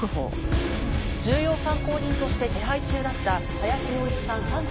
重要参考人として手配中だった林洋一さん